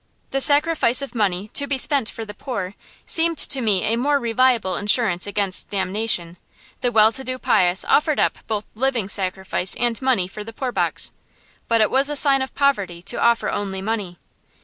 The sacrifice of money, to be spent for the poor, seemed to me a more reliable insurance against damnation. The well to do pious offered up both living sacrifice and money for the poor box, but it was a sign of poverty to offer only money.